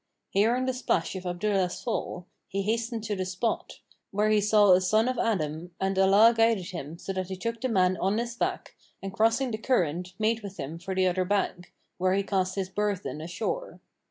Hearing the splash of Abdullah's fall, he hastened to the spot, where he saw a son of Adam and Allah guided him so that he took the man on his back and crossing the current made with him for the other bank, where he cast his burthen ashore.